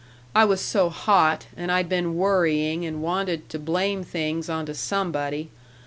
I was so hot, and I'd been worrying and wanted to blame things onto somebody....